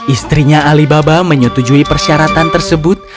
istrinya alibaba menyetujui persyaratan tersebut